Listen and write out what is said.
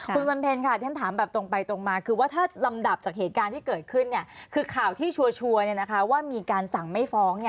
คุณวันเพ็ญค่ะที่ฉันถามแบบตรงไปตรงมาคือว่าถ้าลำดับจากเหตุการณ์ที่เกิดขึ้นคือข่าวที่ชัวร์ว่ามีการสั่งไม่ฟ้อง